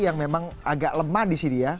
yang memang agak lemah di sini ya